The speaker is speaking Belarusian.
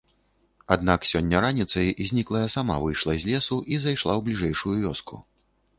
Аднак сёння раніцай зніклая сама выйшла з лесу і зайшла ў бліжэйшую вёску.